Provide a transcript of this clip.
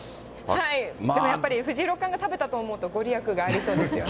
やっぱり藤井六冠が食べたと思うと、ご利益がありそうですよね。